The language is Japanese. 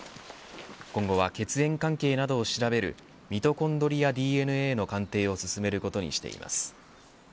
今後は血縁関係などを調べるミトコンドリアＤＮＡの鑑定を進めることにしています。